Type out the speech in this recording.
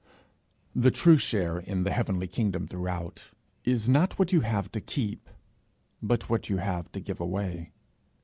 The true share, in the heavenly kingdom throughout, is not what you have to keep, but what you have to give away.